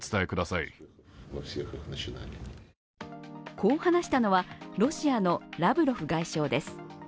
こう話したのはロシアのラブロフ外相です。